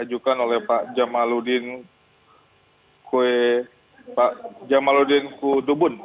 dijukan oleh pak jamaludin kudubun